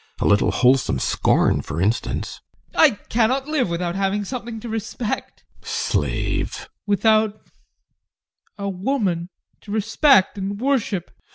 A little wholesome scorn, for instance. ADOLPH. I cannot live without having something to respect GUSTAV. Slave! ADOLPH. without a woman to respect and worship!